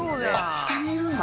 下にいるんだ。